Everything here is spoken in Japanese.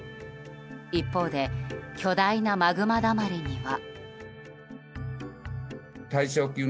一方で巨大なマグマだまりには。